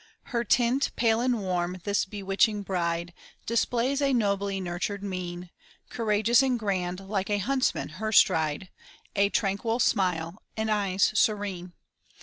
Her tint, pale and warm this bewitching bride, Displays a nobly nurtured mien, Courageous and grand like a huntsman, her stride; A tranquil smile and eyes serene.